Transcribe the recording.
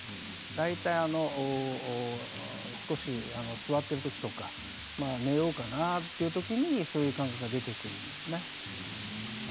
大体、少し座っているときとか寝ようかな、というときにそういう感覚が出てくるんですね。